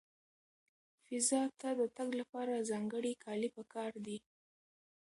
فضا ته د تګ لپاره ځانګړي کالي پکار دي.